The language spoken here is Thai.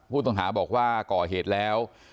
ผู้ต้องหาบอกว่าก่อเหตุแล้ว